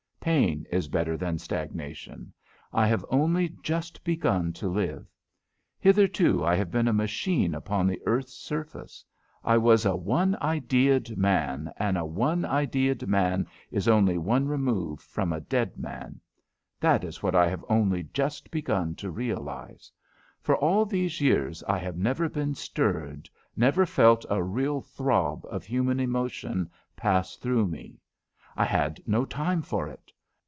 Pain is better than stagnation. I have only just begun to live. Hitherto I have been a machine upon the earth's surface. I was a one ideaed man, and a one ideaed man is only one remove from a dead man. That is what I have only just begun to realise. For all these years I have never been stirred, never felt a real throb of human emotion pass through me. I had no time for it.